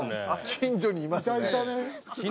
近所にいますね